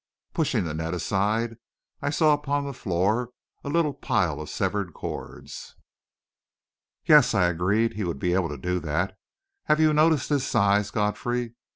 Pushing the net aside, I saw upon the floor a little pile of severed cords. "Yes," I agreed; "he would be able to do that. Have you noticed his size, Godfrey?